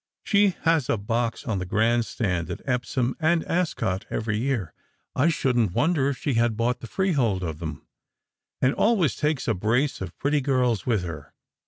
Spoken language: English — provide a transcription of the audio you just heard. She has a box on the grand stand at Epsom and Ascot every year — I shouldn't wonder if she had bought the freehold of them — and always takes a brace of pretty girls with her.